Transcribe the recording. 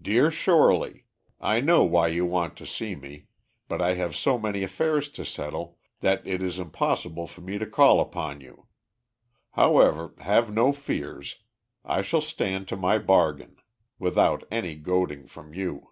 "Dear Shorely, I know why you want to see me, but I have so many affairs to settle, that it is impossible for me to call upon you. However, have no fears; I shall stand to my bargain, without any goading from you.